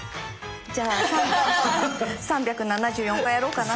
じゃあ３７４回やろうかな。